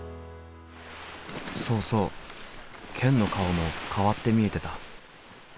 そうそうケンの顔も変わって見えてた。